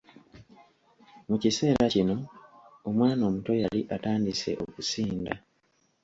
Mu kiseera kino omwana omuto yali atandise okusinda.